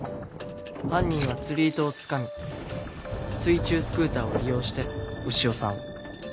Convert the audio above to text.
犯人は釣り糸をつかみ水中スクーターを利用して潮さんを。